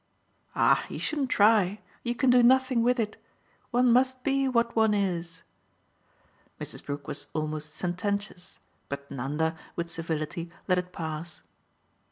"Ah you shouldn't try you can do nothing with it. One must be what one is." Mrs. Brook was almost sententious, but Nanda, with civility, let it pass.